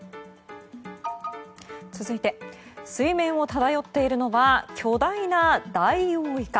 続いて水面を漂っているのは巨大なダイオウイカ。